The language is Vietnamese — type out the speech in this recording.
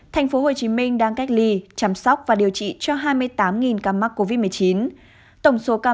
thành phố hồ chí minh đang cách ly chăm sóc và điều trị cho hai mươi tám ca mắc covid một mươi chín tổng số ca